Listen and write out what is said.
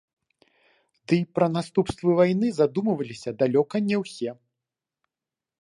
Дый пра наступствы вайны задумваліся далёка не ўсё.